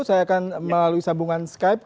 saya akan melalui sambungan skype